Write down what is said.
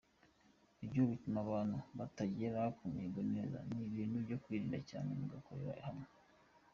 Ibyo bituma abantu batagera ku mihigo neza; ni ibintu byo kwirinda cyane mugakorera hamwe.